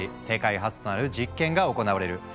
世界初となる実験が行われる。